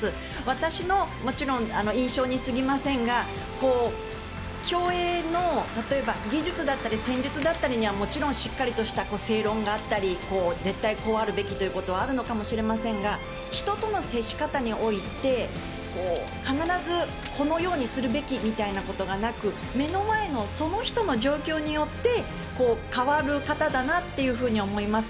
私のもちろん印象にすぎませんが競泳の例えば、技術だったり戦術だったりにはもちろんしっかりとした正論があったり絶対こうあるべきということはあるのかもしれませんが人との接し方において必ずこのようにするべきみたいなことがなく目の前のその人の状況によって変わる方だなと思います。